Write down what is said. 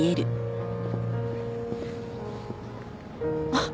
あっ。